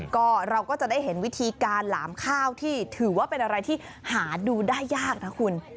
ก็เราก็จะได้เห็นวิธีการหลามข้าวที่ถือว่าเป็นอะไรที่หาดูได้ยากนะคุณ